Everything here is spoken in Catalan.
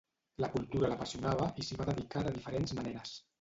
La cultura l'apassionava i s'hi va dedicar de diferents maneres.